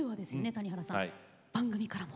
谷原さん番組からも。